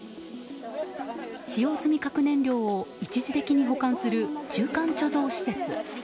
使用済み核燃料を一時的に保管する中間貯蔵施設。